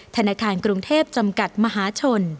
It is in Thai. ธนาคารกรุงเทพจำกัดมหาชน